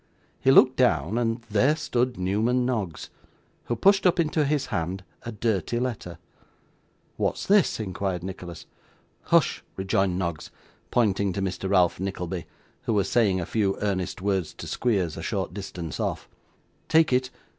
He looked down, and there stood Newman Noggs, who pushed up into his hand a dirty letter. 'What's this?' inquired Nicholas. 'Hush!' rejoined Noggs, pointing to Mr. Ralph Nickleby, who was saying a few earnest words to Squeers, a short distance off: 'Take it.